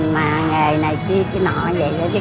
mà nghề này kia kia nọ vậy đó